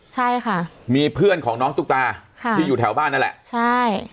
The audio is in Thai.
ใช่ค่ะมีเพื่อนของน้องตุ๊กตาค่ะที่อยู่แถวบ้านนั่นแหละใช่